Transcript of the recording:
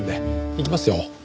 行きますよ。